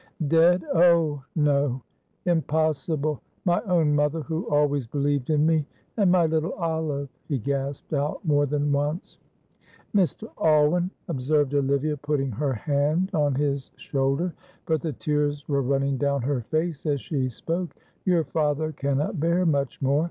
"Dead! Oh, no impossible! My own mother, who always believed in me, and my little Olive!" he gasped out more than once. "Mr. Alwyn," observed Olivia, putting her hand on his shoulder, but the tears were running down her face as she spoke, "your father cannot bear much more.